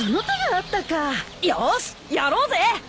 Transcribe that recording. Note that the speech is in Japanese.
よしやろうぜ！